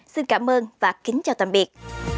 xin cảm ơn và kính chào tạm biệt